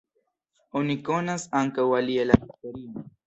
Oni konas ankaŭ alie la historion.